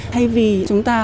thay vì chúng ta